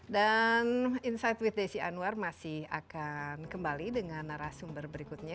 dan insight with desi anwar masih akan kembali dengan narasumber berikutnya